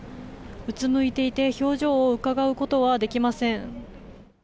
うつむいていて表情をうかがうことはできません。